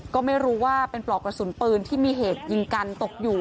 ก็ไม่รู้ว่าเป็นปลอกกระสุนปืนที่มีเหตุยิงกันตกอยู่